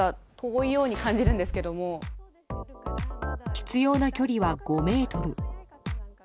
必要な距離は５ｍ。